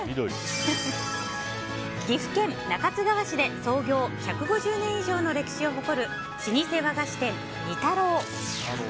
岐阜県中津川市で創業１５０年以上の歴史を誇る老舗和菓子店・仁太郎。